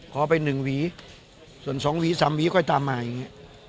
ขอไปหนึ่งหวีส่วนสองหวีสามหวีค่อยตามมาอย่างเงี้ย